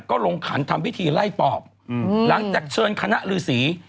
ก็ลงขันทำพิธีไล่ปอบหลังจากเชิญคณะฤษี